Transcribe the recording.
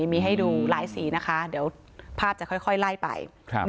มีให้ดูหลายสีนะคะเดี๋ยวภาพจะค่อยไล่ไป